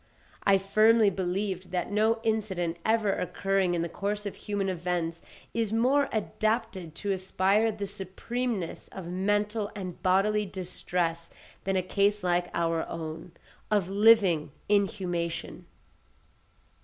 I firmly believed that no incident ever occurring in the course of human events is more adapted to inspire the supremeness of mental and bodily distress than a case like our own, of living inhumation.